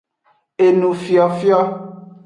Enufiofio.